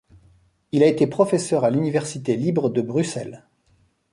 Il a été professeur à l'Université libre de Bruxelles.